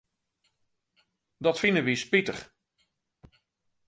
Dat fine wy spitich.